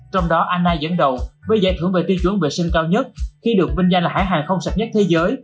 trong đó anna dẫn đầu với giải thưởng về tiêu chuẩn vệ sinh cao nhất khi được vinh danh là hãng hàng không sạch nhất thế giới